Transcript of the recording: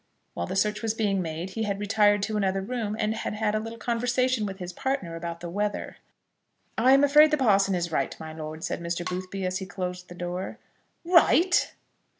While the search was being made he had retired to another room, and had had a little conversation with his partner about the weather. "I am afraid the parson is right, my lord," said Mr. Boothby, as he closed the door. "Right!"